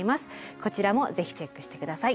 こちらもぜひチェックして下さい。